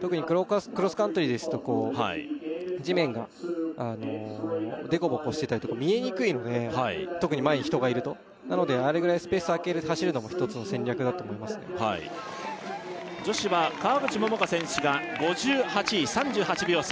特にクロスカントリーですと地面がデコボコしてたりとか見えにくいので特に前に人がいるとなのであれぐらいスペースあけて走るのも一つの戦略だと思いますね女子は川口桃佳選手が５８位３８秒差